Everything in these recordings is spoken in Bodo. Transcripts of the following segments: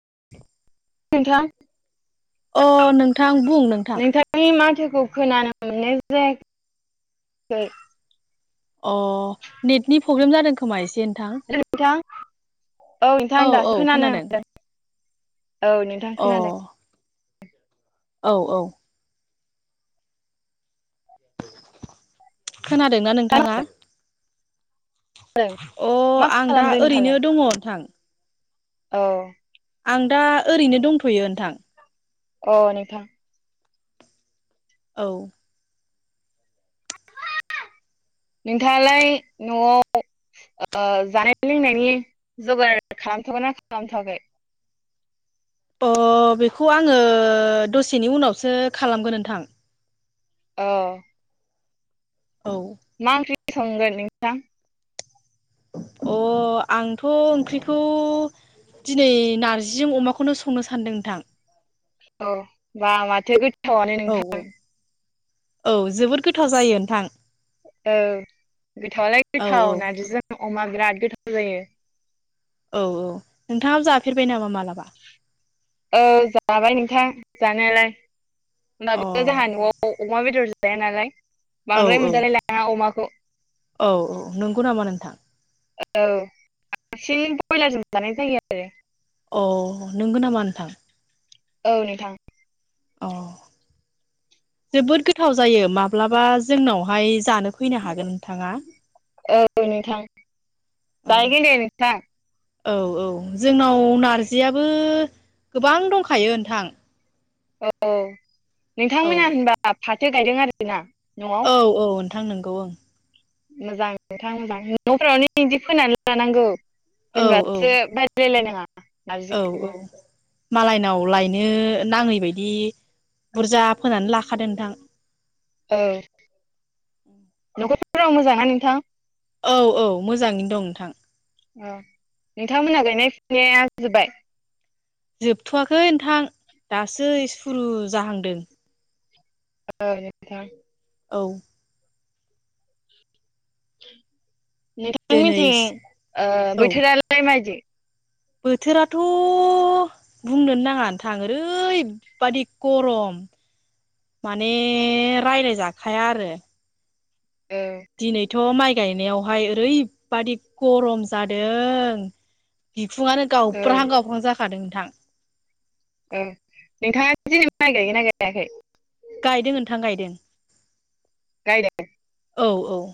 [inaudible] नोंथां। अ नोंथां बुं नोंथां। थोखौ खोनानो मोनाय जायाखै अ नेटनि प्रब्लेम जादों खोमा एस [unintelligible] नोंथां औ नोंथां औ दासो खोनानो खोनादों मोनदों। औ नोंथां अ खोनादों। औ औ। खोनादोंना नोंथाङा? अ मा आं दा खालामदों ओरैनो नोंथाङालाय दङ नोंथां। औ। आं दा ओरैनो दंथ'यो नोंथां। अ नोंथां। औ [inaudible] नोंथाङालाय न'आव ओ जानाय लोंनायनि जगार खालामथ'गोन ना खालामथ'वाखै [inaudible] अ बेखौ आङो दसेनि उनावसो खालामगोन नोंथां अ औ संगोन नोंथां अ आंथ ओंख्रिखौ दिनै नारजिजों अमाखौनो संनो सानदों नोंथां औ बा माथो गोथावानो औ औ नोंथां औ जोबोद गोथाव जायो नोंथां औ गोथावालाय औ औ गोथाव नारजिजों अमा बिराद गोथाव जायो औ औ नोंथाङाबो जाफेरबाय नामा मालाबा ए जाबाय नोंथां जानायालाय अ औ ओमबाबो जोंहा नआव अमा बेदर जों जाया नालाय बांद्राय औ मोनजालाय लाङा अमाखौ औ औ नंगौ नामा नोंथां औ बांसिन बयलारजों जानाय जायो आरो अ नोंगौ नामा नोंथां औ नोंथां अ जोबोद गोथाव जायो माब्लाबा जोंनावहाय जानो फैनो हागोन नोंथाङा औ जायैगोन दे नोंथां औ औ जोंनाव नारजियाबो गोबां दंखायो नोंथां औ औ नोंथांमोना होनबा फाथो गायदों आरोना न'आव औ औ नोंथां नंगौ ओं मोजां नोंथां मोजां नफ्रावनो इदि फोनानै लानांगौ औ औ होनब्लासो बायलायलायनाङा औ औ नारजिखौबो मालायनाव लायनो नाङै बायदि बुरजा फोनानै लाखादों नोंथां औ न'खरफोराव मोजां ना नोंथां औ औ मोजाङैनो दं नोंथां औ नोंथांमोनहा गायनाय फुनाया जोब्बाय जोबथवाखै नोंथां दासो सुरु जाहांदों ओं नोंथां औ नोंथां दिनै मोननिथिं ओ औ बैथोरालाय माबायदि बोथोराथ बुंनोनो नाङा नोंथां ओरैबादि गरम माने रायलाय जाखाया आरो औ दिनैथ माय गायनायाव बेवहाय ओरैबादि गरम जादों बिखुङानो औ गावब्राहां गावब्राहां जाखादों नोंथां ओं नोंथाङा दिनै माय गायगोना गायाखै गायदों नोंथां गायदों गायदों औ औ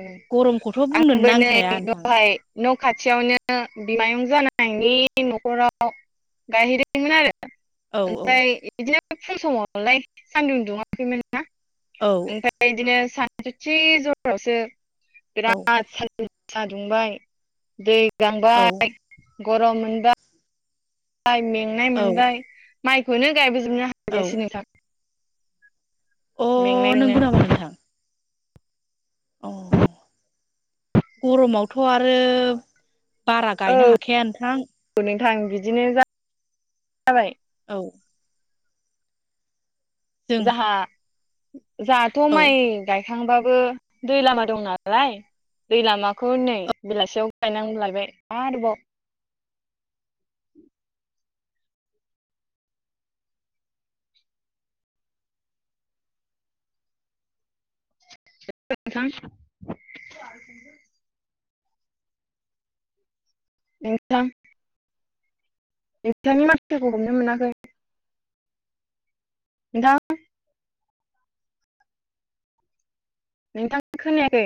ओं गरमखौथ' बुंनोनो आंबो नै नांखाया नोंथां दहाय न खाथियावनो बिमायं जानायनि नखराव गायहैदोंमोन आरो औ औ ओमफ्राय बिदिनो फुं समावलाय सान्दुं दुङाखैमोन ना औ ओमफ्राय बिदिनो सानसुथिर जरावसो औ बिराद सान गोसा दुंबाय दै औ गांबाय गरम मोनबाय बाय मेंनाय औ मोनबाय माइखौनो गायबोजोबनो औ हायासै नोंथां अ मेंनाय नंगौ जोंनो अह गरमावथ आरो बारा गायनो हाखाया नोंथां रां बिदिनो जा जाबाय। औ जों जाहा जाहाथ' औ माइ गाय खांबाबो दै लामा दं नालाय दै लामाखौ नै बेलासियाव गायनां लायबाय आरोबाव। [unintelligible] थां [unintelligible] नोंथांनि माथोफोरखौ हमनो मोनाखै। नोंदां नोंथां खोनायाखै